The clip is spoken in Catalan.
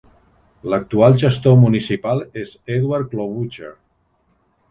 L'actual gestor municipal és Edward Klobucher.